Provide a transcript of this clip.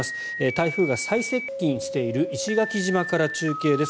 台風が最接近している石垣島から中継です。